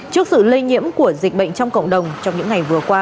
trước sự lây nhiễm của dịch bệnh trong cộng đồng trong những ngày vừa qua